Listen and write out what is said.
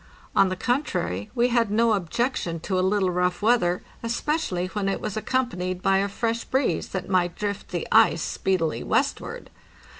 On the contrary, we had no objection to a little rough weather, especially when it was accompanied by a fresh breeze that might drift the ice speedily westward.